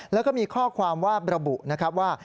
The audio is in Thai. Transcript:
แล้วก็มีข้อความว่าระบุนะครับว่า